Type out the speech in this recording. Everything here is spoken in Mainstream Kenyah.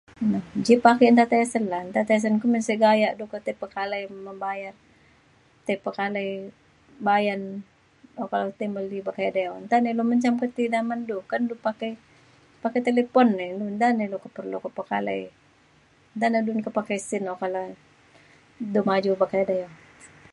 na ji pe ake nta tesen la nta tesen kumin gayak du ketai pekalai membayar tai pekalai bayan oka du tai meli bekedai o, nta ne ilu mencam ti da men du kan du pakai pakai talipun na du nta ne ilu ke pakalai nta ne du ke pakai sin oka le du maju bekedai o